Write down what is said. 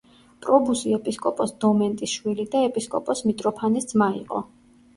პრობუსი ეპისკოპოს დომენტის შვილი და ეპისკოპოს მიტროფანეს ძმა იყო.